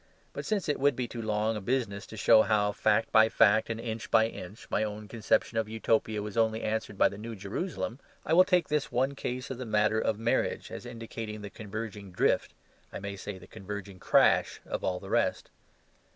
But, since it would be too long a business to show how, fact by fact and inch by inch, my own conception of Utopia was only answered in the New Jerusalem, I will take this one case of the matter of marriage as indicating the converging drift, I may say the converging crash of all the rest.